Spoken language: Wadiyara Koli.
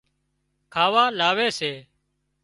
کاواآوي سي